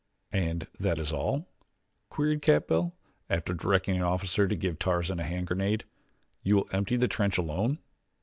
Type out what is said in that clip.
"And that is all?" queried Capell, after directing an officer to give Tarzan a hand grenade; "you will empty the trench alone?"